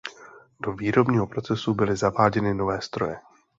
Do výrobního procesu byly zaváděny nové stroje.